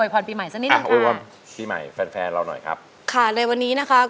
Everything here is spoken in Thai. แต่ก็สนุกนะได้มาออกตรงนี้